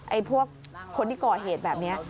ไอ้พวกคนที่ก่อเหตุแบบนี้